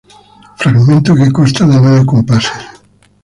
Fragmento que consta de nueve compases.